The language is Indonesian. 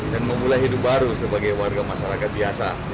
dan memulai hidup baru sebagai warga masyarakat biasa